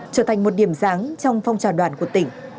trở thành một điểm sáng trong phong trào đoàn của tỉnh